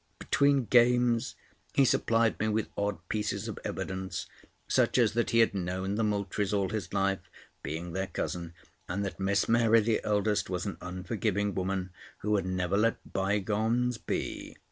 Between games he supplied me with odd pieces of evidence, such as that he had known the Moultries all his life, being their cousin, and that Miss Mary, the eldest, was an unforgiving woman who would never let bygones be.